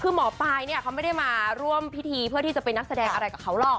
คือหมอปลายเนี่ยเขาไม่ได้มาร่วมพิธีเพื่อที่จะเป็นนักแสดงอะไรกับเขาหรอก